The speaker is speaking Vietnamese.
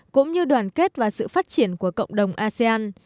cũng như đoàn kết và sự phát triển của cộng đồng asean